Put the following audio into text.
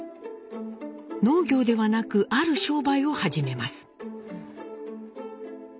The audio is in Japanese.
農業ではなくある商売を始めます。